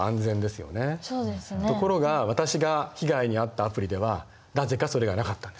ところが私が被害に遭ったアプリではなぜかそれがなかったんです。